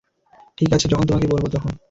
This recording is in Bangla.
ঠিক আছে, যখন তোমাকে বলবো, তখন।